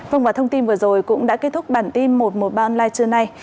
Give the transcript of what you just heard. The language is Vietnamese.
vâng và thông tin vừa rồi cũng đã kết thúc bản tin một trăm một mươi ba online trưa nay